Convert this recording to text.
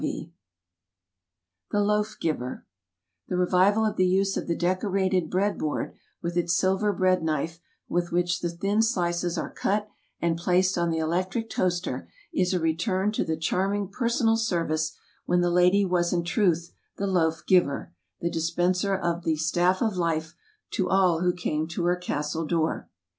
Bread Tray, Cooked Cereal Dish, and Portsmouth Candlesticks The cToaf (Jiver THE revival of the use of the decorated bread board with its silver bread knife with which the thin slices are cut and placed on the electric toaster is a return to the charming personal service when the lady was in truth the Loaf Giver, the dispenser of the "staff of life" to all who came to her castle door.